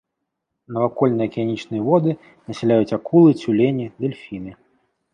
Навакольныя акіянічныя воды насяляюць акулы, цюлені, дэльфіны.